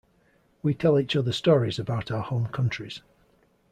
We tell each other stories about our home countries.